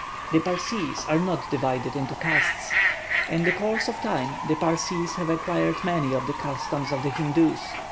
The Parsees are not divided into castes. In the course of time the Parsees have acquired many of the customs of the Hindoos.